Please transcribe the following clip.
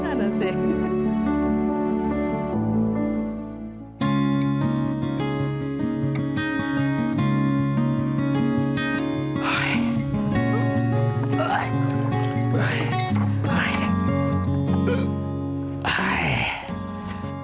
น่าจะเสร็จ